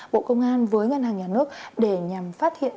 bộ công an với ngân hàng nhà nước để nhằm phát hiện